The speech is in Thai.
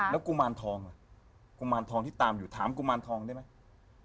แล้วกุมารทองที่ตามอยู่ถามกุมารทองได้ไหม